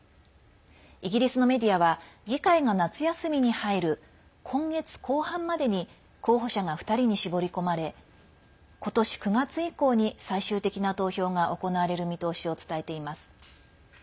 イギリスのメディアは議会が夏休みに入る今月後半までに候補者が２人に絞り込まれことし９月以降に最終的な投票が行われる見通しを伝えています。